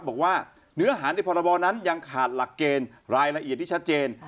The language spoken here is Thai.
บอกว่าเนื้อหาในพรบนั้นยังขาดหลักเกณฑ์รายละเอียดที่ชัดเจน